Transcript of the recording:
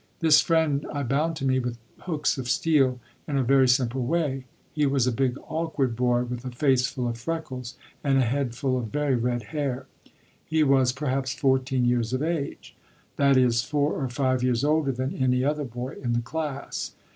This friend I bound to me with hooks of steel in a very simple way. He was a big awkward boy with a face full of freckles and a head full of very red hair. He was perhaps fourteen years of age; that is, four or five years older than any other boy in the class.